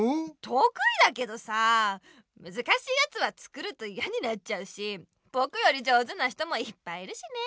とくいだけどさあむずかしいやつは作るとイヤになっちゃうしぼくより上手な人もいっぱいいるしね。